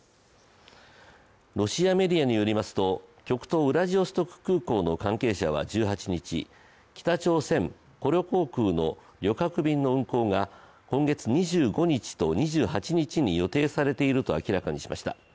ロシアメディアによりますと極東ウラジオストク空港の関係者は１８日、北朝鮮・コリョ航空の旅客便の運航が今月２５日と２８日に予定されていると明らかにしました。